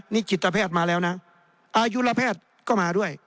นี่จิตแพทย์มาแล้วนะอายุระแพทย์ก็มาด้วย